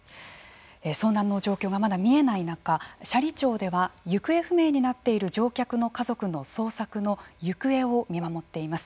遭難の状況がまだ見えない中斜里町では行方不明になっている乗客の家族行方を見守っています。